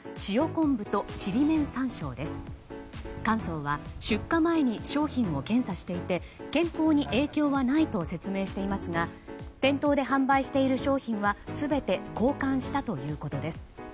神宗は出荷前に商品を検査していて健康に影響はないと説明していますが店頭で販売している商品は全て交換したということです。